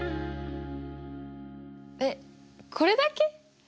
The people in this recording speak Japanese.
えっこれだけ？